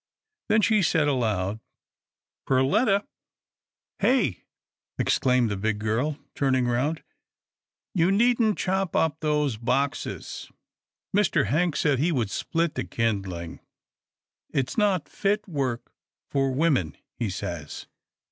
Then she said aloud, " Per letta!" " Hey !" exclaimed the big girl, turning round. " You needn't chop up those boxes. Mr. Hank said he would split the kindling. It's not fit work for women, he says."